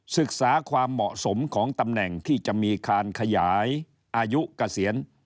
ศึกษาความเหมาะสมของตำแหน่งที่จะมีการขยายอายุเกษียณ